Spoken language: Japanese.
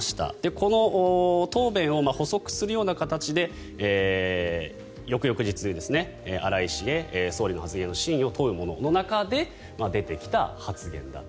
この答弁を補足するような形で翌々日、荒井氏へ総理の発言の真意を問うものの中で出てきた発言だったと。